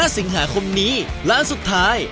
สิงหาคมนี้ร้านสุดท้าย